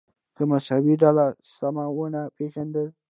که مذهبي ډله سمه ونه پېژنو.